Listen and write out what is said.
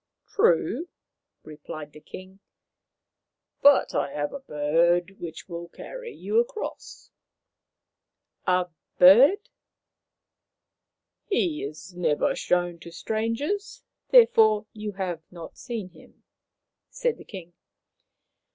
" True," replied the king ;" but I have a bird which will carry you across." " A bird !" "He is never shown to strangers, therefore you have not seen him," said the king.